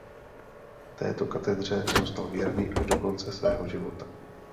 Této katedře zůstal věrný až do konce svého života.